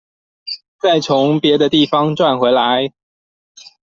再從別地方賺回來